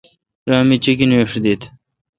را می چیکینیش دیت۔